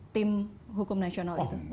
tim hukum nasional itu